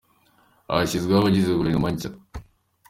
Hashyizweho abagize Guverinoma nshya